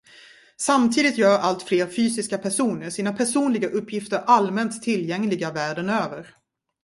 Samtidigt gör allt fler fysiska personer sina personliga uppgifter allmänt tillgängliga världen över.